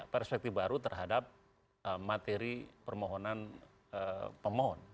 perspektif baru terhadap materi permohonan pemohon